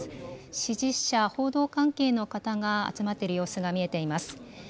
支持者、報道関係の方が集まっている様子が見えています。